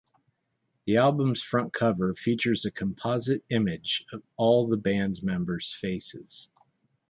The album's front cover features a composite image of all the band members' faces.